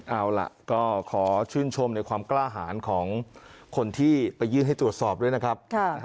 เอาล่ะก็ขอชื่นชมในความกล้าหารของคนที่ไปยื่นให้ตรวจสอบด้วยนะครับ